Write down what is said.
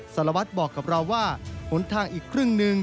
สารวัตรบอกกับเราว่าหนทางอีกครึ่งหนึ่ง